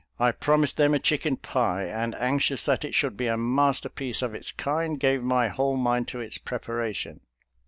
I promised them a chicken pie, and anxious that it should be a masterpiece of its kind, gave my whole mind to its preparation.